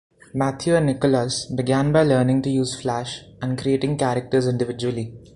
Matthew and Nicholas began by learning to use Flash, and creating characters individually.